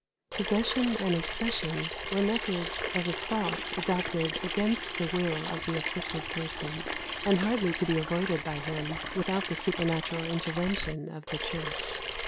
Possession and obsession were methods of assault adopted against the will of the afflicted person, and hardly to be avoided by him without the supernatural intervention of the Church.